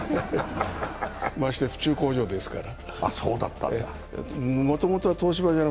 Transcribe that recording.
まして府中工場ですからね。